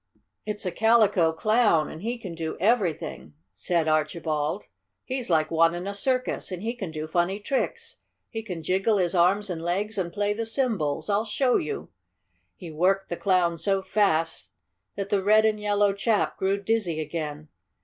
"It's a Calico Clown, and he can do everything," said Archibald. "He's like one in a circus, and he can do funny tricks. He can jiggle his arms and legs and play the cymbals. I'll show you!" He worked the Clown so fast that the red and yellow chap grew dizzy again.